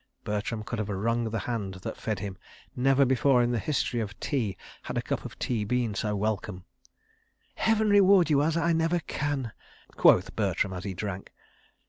Bertram could have wrung the hand that fed him. Never before in the history of tea had a cup of tea been so welcome. "Heaven reward you as I never can," quoth Bertram, as he drank.